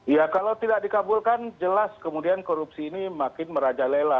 ya kalau tidak dikabulkan jelas kemudian korupsi ini makin merajalela